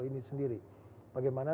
ini sendiri bagaimana